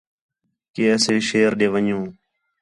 کہ اَسے شیر ݙے ون٘ڄوں